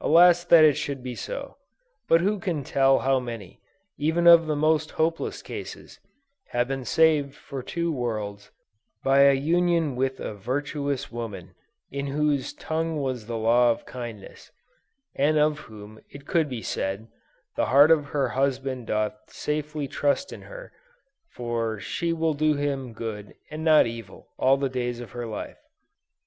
Alas that it should be so! but who can tell how many, even of the most hopeless cases, have been saved for two worlds, by a union with a virtuous woman, in whose "tongue was the law of kindness," and of whom it could be said, "the heart of her husband doth safely trust in her," for "she will do him good and not evil, all the days of her life."